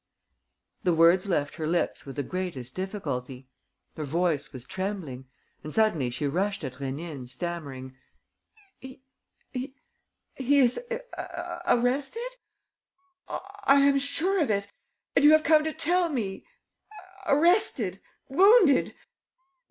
The words left her lips with the greatest difficulty. Her voice was trembling. And suddenly she rushed at Rénine, stammering: "He is arrested?... I am sure of it!... And you have come to tell me.... Arrested! Wounded!